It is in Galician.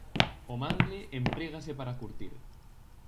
O mangle emprégase para curtir.